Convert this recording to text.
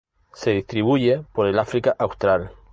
Se distribuye por el África austral.